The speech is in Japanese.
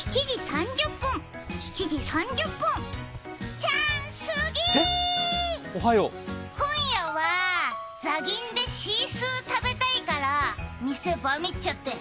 チャンスギ、今夜はザギンでシースー食べたいから店バミっちゃって。